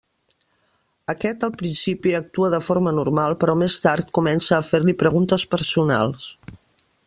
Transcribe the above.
Aquest al principi actua de forma normal, però més tard comença a fer-li preguntes personals.